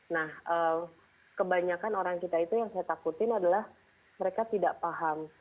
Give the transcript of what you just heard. nah kebanyakan orang kita itu yang saya takutin adalah mereka tidak paham